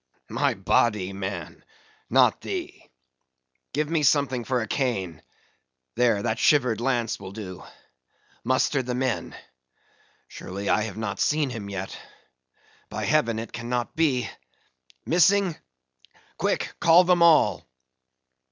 "My body, man, not thee. Give me something for a cane—there, that shivered lance will do. Muster the men. Surely I have not seen him yet. By heaven it cannot be!—missing?—quick! call them all."